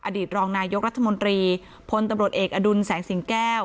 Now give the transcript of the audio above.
อดีตรองนายกรัฐมนตรีพลตำรวจเอกอดุลแสงสิงแก้ว